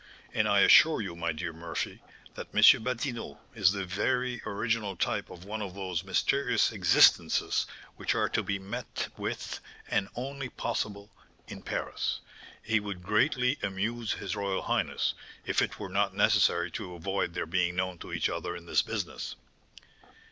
And I assure you, my dear Murphy, that M. Badinot is the very original type of one of those mysterious existences which are to be met with, and only possible, in Paris. He would greatly amuse his royal highness, if it were not necessary to avoid their being known to each other in this business."